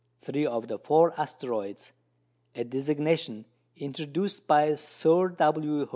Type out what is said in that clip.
Three of the four "asteroids" (a designation introduced by Sir. W.